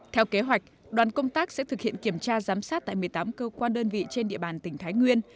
theo kế hoạch đoàn công tác sẽ thực hiện kiểm tra giám sát tại một mươi tám cơ quan đơn vị trên địa bàn tỉnh thái nguyên